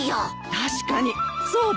確かにそうだね。